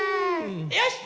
よし！